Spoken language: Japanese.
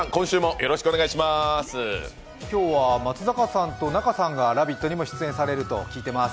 今日は松坂さんと仲さんが「ラヴィット！」にも出演されると聞いています。